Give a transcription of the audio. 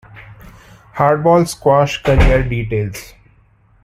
Hardball Squash career details.